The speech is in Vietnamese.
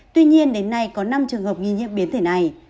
tuy nhiên đến nay có năm trường hợp nghi nhiễm biến thể này